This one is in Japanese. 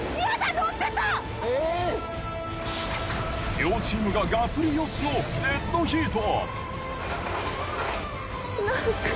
両チームががっぷり四つのデッドヒート。